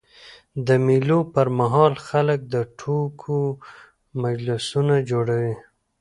د مېلو پر مهال خلک د ټوکو مجلسونه جوړوي.